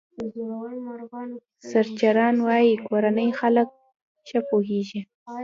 سرچران وايي کورني خلک ښه پوهېږي.